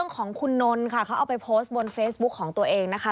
ของคุณนนท์ค่ะเขาเอาไปโพสต์บนเฟซบุ๊คของตัวเองนะคะ